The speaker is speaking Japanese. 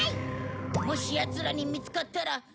もしヤツらに見つかったら！